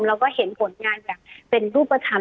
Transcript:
แล้วก็เห็นผลงานอย่างเป็นรูปธรรม